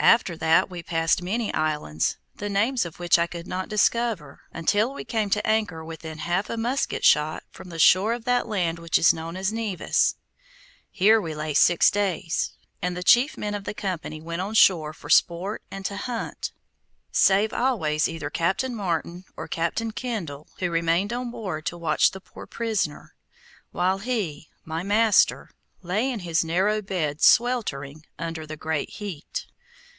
After that we passed many islands, the names of which I could not discover, until we came to anchor within half a musket shot from the shore of that land which is known as Nevis. Here we lay six days, and the chief men of the company went on shore for sport and to hunt, save always either Captain Martin or Captain Kendall, who remained on board to watch the poor prisoner, while he, my master, lay in his narrow bed sweltering under the great heat.